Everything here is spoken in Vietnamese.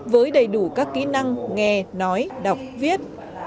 với đầy đủ các kỹ năng nghe nói đọc viết